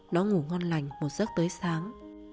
nó ngủ ngon lành một giấc tới sáng